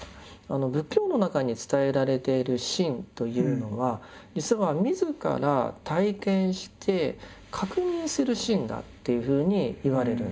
仏教の中に伝えられている「信」というのは実は自ら体験して確認する信だっていうふうにいわれるんです。